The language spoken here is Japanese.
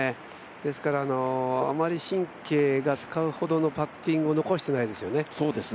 ですからあまり神経を使うほどのパッティングを残していないですよね。